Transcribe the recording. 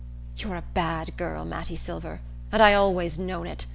"You're a bad girl, Mattie Silver, and I always known it.